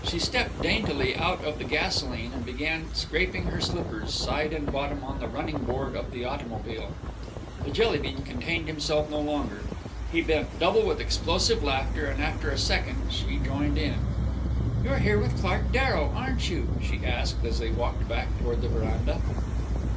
She stepped daintily out of the gasolene and began scraping her slippers, side and bottom, on the running board of the automobile. The jelly bean contained himself no longer. He bent double with explosive laughter and after a second she joined in. "You're here with Clark Darrow, aren't you?" she asked as they walked back toward the veranda.